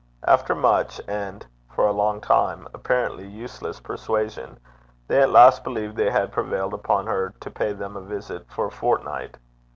After much, and, for a long time, apparently useless persuasion, they at last believed they had prevailed upon her to pay them a visit for a fortnight.